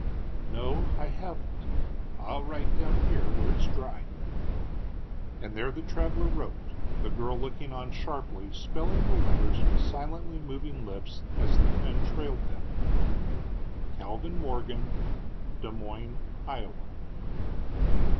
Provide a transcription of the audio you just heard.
"No, I haven't. I'll write down here where it's dry." And there the traveler wrote, the girl looking on sharply, spelling the letters with silently moving lips as the pen trailed them: Calvin Morgan, Des Moines, Ia.